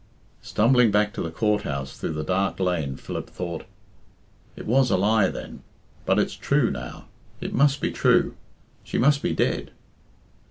Stumbling back to the Court house through the dark lane Philip thought, "It was a lie then, but it's true now. It must be true. She must be dead."